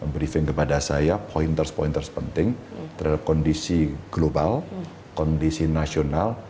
briefing kepada saya pointers pointers penting terhadap kondisi global kondisi nasional